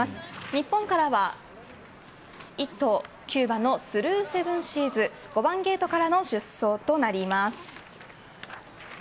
日本からは１頭、９番のスルーセブンシーズ５番ゲートからの出走となります。